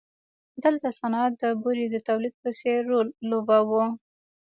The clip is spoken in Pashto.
دلته صنعت د بورې د تولید په څېر رول لوباوه.